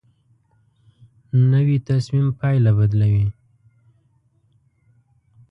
نوې تصمیم پایله بدلوي